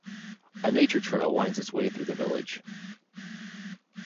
A nature trail winds its way through the village.